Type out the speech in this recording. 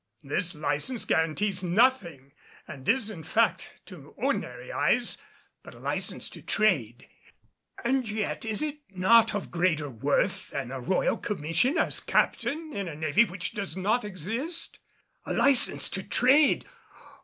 This license guarantees nothing and is in fact, to ordinary eyes, but a license to trade; and yet is it not of greater worth than a royal commission as captain in a navy which does not exist? A license to trade!